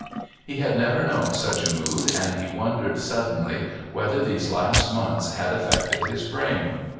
He had never known such a mood, and he wondered suddenly whether these last months had affected his brain.